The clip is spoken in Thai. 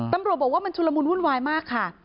ตำรวจบอกว่ามันชุลมุนวุ่นวายมากค่ะ